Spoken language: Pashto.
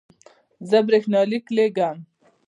زه برېښنالیک لیږم